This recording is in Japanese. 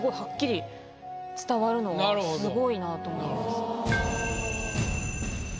すごいなと思います。